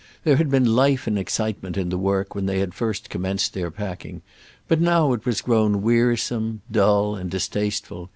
There had been life and excitement in the work when they had first commenced their packing, but now it was grown wearisome, dull, and distasteful.